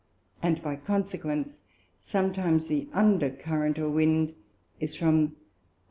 and by consequence, sometimes the under Current or Wind, is from the N.